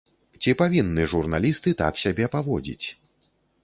Ці павінны журналісты так сябе паводзіць?